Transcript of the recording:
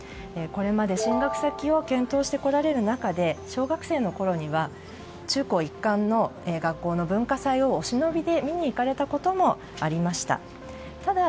これまで進学先を検討してくる中で小学生のころには中高一貫の学校の文化祭をお忍びで見に行かれたこともありました。